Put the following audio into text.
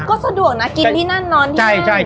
ก็สะดวกนะกินที่นั่นนอนที่นี่